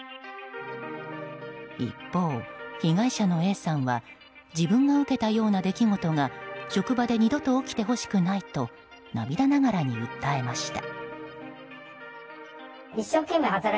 一方、被害者のＡさんは自分が受けたような出来事が職場で二度と起きてほしくないと涙ながらに訴えました。